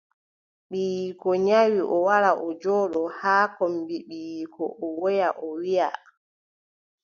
Ɓiiyiiko nyawi, o wara o jooɗo haa kombi ɓiiyiiko o woya o wiiʼa.